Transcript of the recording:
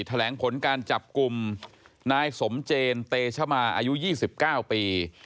แถลงผลการจับกลุ่มนายสมเจนเตชมาอายุ๒๙ปี